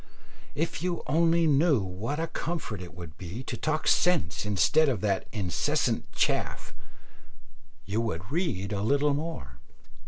If you only knew what a comfort it would be to talk sense instead of that incessant chaff, you would read a little more.